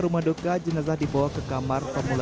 rumah duka jenazah dibawa ke kamar pemula